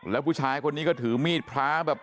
แล้วผู้ชายคนนี้ก็ถือมีดพระแบบ